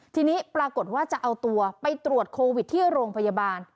ทีนี้ปรากฏว่าจะเอาตัวไปตรวจโควิดที่โรงพยาบาล